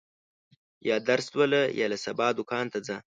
یا درس لوله، یا له سبا دوکان ته ځه.